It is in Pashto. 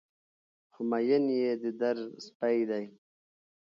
خو مين يې د در سپى دى